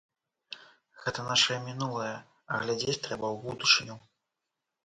Гэта нашае мінулае, а глядзець трэба ў будучыню.